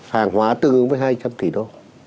hàng hóa tương ứng với hai trăm linh tỷ đô